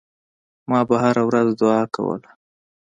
ما به هره ورځ دعا کوله.